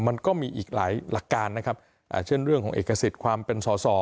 มันก็มีอีกหลายหลักการนะครับเช่นเรื่องของเอกสิทธิ์ความเป็นสอสอ